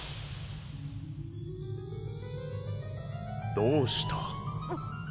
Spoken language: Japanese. どうした？